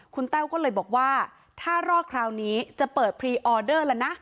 คุณแต้วก็เลยบอกว่าถ้ารอดคราวนี้จะเปิดพรีออเดอร์แล้วนะ